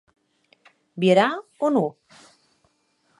Vierà o non?